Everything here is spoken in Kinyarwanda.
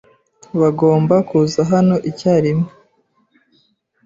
Bagomba kuza hano icyarimwe.